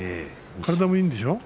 体もいいんでしょう？